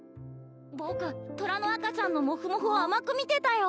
僕トラの赤ちゃんのモフモフを甘く見てたよ